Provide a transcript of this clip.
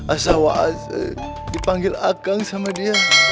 asal asal dipanggil ah kang sama dia